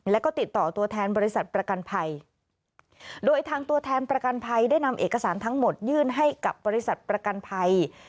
แล้วก็ติดต่อตัวแทนบริษัทประกันภัยโดยทางตัวแทนประกันภัยได้นำเอกสารทั้งหมดยื่นให้กับบริษัทประกันภัย